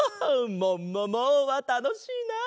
「ももも！」はたのしいなあ。